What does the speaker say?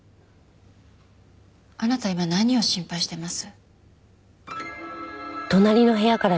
あなた今何を心配してます？